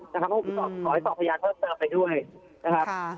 ต้องขอให้สอบพยานโทษเติมไปด้วยนะครับ